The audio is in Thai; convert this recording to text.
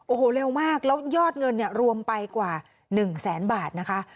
โอ้โหเร็วมากแล้วยอดเงินเนี่ยรวมไปกว่า๑แสนบาทนะคะ